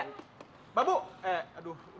mbak bu eh aduh